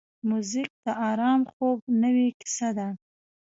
موزیک د آرام خوب نوې کیسه ده.